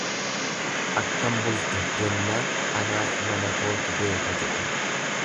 Akkam bultee jennaan anaaf mana kootu beeka jedhe.